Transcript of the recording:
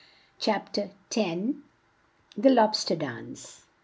CHAPTER X. THE LOB STER DANCE.